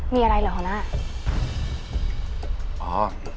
มีอะไรเหรอหัวหน้า